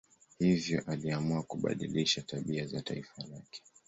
Hivyo aliamua kubadilisha tabia za taifa lake.